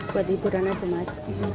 buat ibu rana juga mas